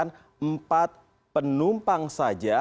hanya empat penumpang saja